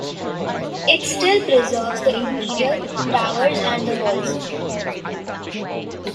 It still preserves the interior, towers and the walls.